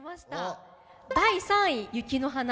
第３位『雪の華』。